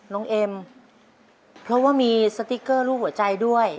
เอ็มเพราะว่ามีสติ๊กเกอร์รูปหัวใจด้วย